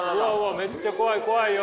めっちゃ怖い怖いよ！